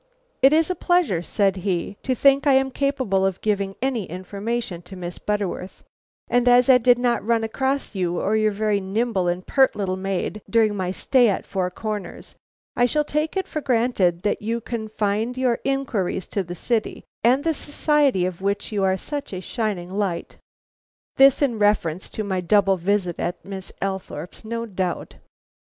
"It is a pleasure," said he, "to think I am capable of giving any information to Miss Butterworth, and as I did not run across you or your very nimble and pert little maid during my stay at Four Corners, I shall take it for granted that you confined your inquiries to the city and the society of which you are such a shining light." This in reference to my double visit at Miss Althorpe's, no doubt.